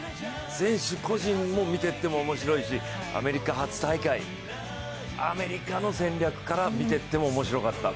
選手個人を見てても面白いしアメリカ初大会、アメリカの戦略から見てっても面白かった。